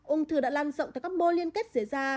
ung thư đã lan rộng tới các mô liên kết dưới da